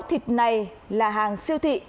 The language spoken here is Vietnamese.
thịt này là hàng siêu thị